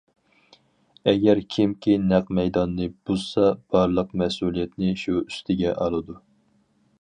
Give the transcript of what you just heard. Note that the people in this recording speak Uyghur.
ئەگەر كىمكى نەق مەيداننى بۇزسا، بارلىق مەسئۇلىيەتنى شۇ ئۈستىگە ئالىدۇ.